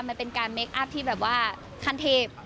มันเป็นการเมคอัพที่แบบว่าคันเทพ